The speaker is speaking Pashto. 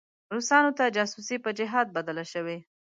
روسانو ته جاسوسي په جهاد بدله شوې.